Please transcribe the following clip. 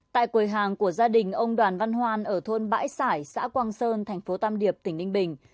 tại quầy hàng của gia đình ông đoàn văn hoan ở thôn bãi sải xã quang sơn thành phố tam điệp tỉnh ninh bình